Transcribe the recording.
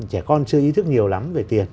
trẻ con chưa ý thức nhiều lắm về tiền